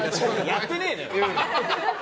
やってねえのよ！